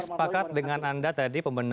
sepakat dengan anda tadi